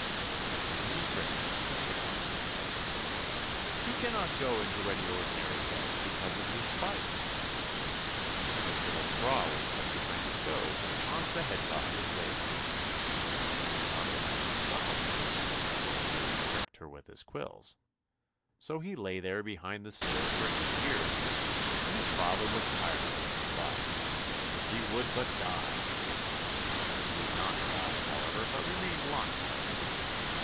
When he was christened, the parson said, "He cannot go into any ordinary bed because of his spikes." So a little straw was put behind the stove, and Hans the Hedgehog was laid on it. His mother could not suckle him, for he would have pricked her with his quills. So he lay there behind the stove for eight years, and his father was tired of him and thought, "If he would but die!" He did not die, however, but remained lying there.